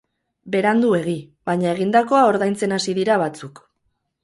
Beranduegi, baina egindakoa ordaintzen hasi dira batzuk.